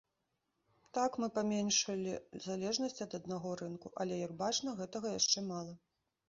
Так, мы паменшылі залежнасць ад аднаго рынку, але, як бачна, гэтага яшчэ мала.